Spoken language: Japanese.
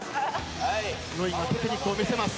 ロイがテクニックを見せます。